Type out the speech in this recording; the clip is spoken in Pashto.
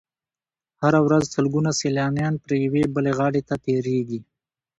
هره ورځ سلګونه سیلانیان پرې یوې بلې غاړې ته تېرېږي.